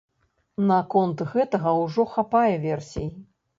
Наконт гэтага ўжо хапае версій.